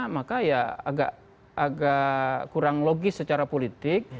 maka ya agak kurang logis secara politik